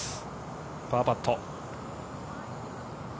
パーパット。